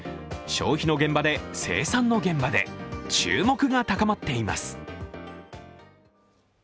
消費の現場で、生産の現場で注目が高まっています。